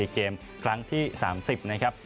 เกมครั้งที่๓๐นะครับ